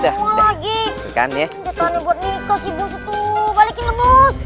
ditanya buat nikah si bos tuh balikin tuh bos